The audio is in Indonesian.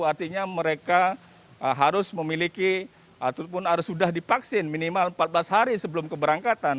artinya mereka harus memiliki ataupun harus sudah divaksin minimal empat belas hari sebelum keberangkatan